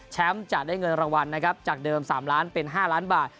จะได้เงินรางวัลนะครับจากเดิม๓ล้านเป็น๕ล้านบาท